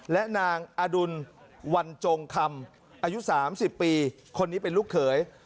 และนางอดุลวันจงคำอายุ๓๐ปีคนนี้เป็นลูกเขย